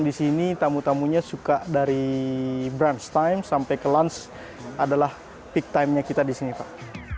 di sini tamu tamunya suka dari branch time sampai ke lunch adalah peak time nya kita di sini pak